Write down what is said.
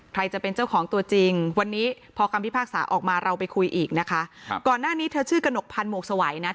จะเป็นเจ้าของตัวจริงวันนี้พอคำพิพากษาออกมาเราไปคุยอีกนะคะก่อนหน้านี้เธอชื่อกระหนกพันธ์หวกสวัยนะ